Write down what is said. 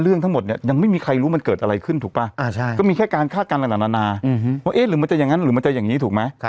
เรื่องทั้งหมดเนี่ยยังไม่มีใครรู้มันเกิดอะไรขึ้นถูกป่ะก็มีแค่การคาดการณาว่าเอ๊ะหรือมันจะอย่างนั้นหรือมันจะอย่างนี้ถูกไหม